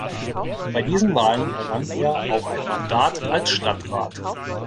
Bei diesen Wahlen errang er auch ein Mandat als Stadtrat.